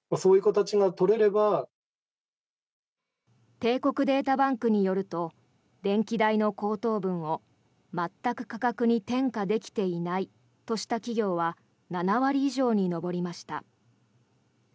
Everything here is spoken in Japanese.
帝国データバンクによると電気代の高騰分を全く価格に転嫁できていないとした企業は７割以上に上りました。